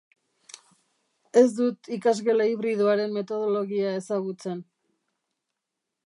Ez dut ikasgela hibridoaren metodologia ezagutzen.